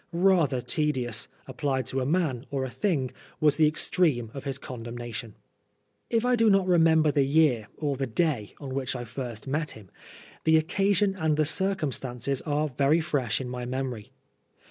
* Rather tedious/ applied to a man or a thing, was the extreme of his condem nation. If I do not remember the year or the day on which I first met him, the occasion and the circumstances are very fresh in my memory.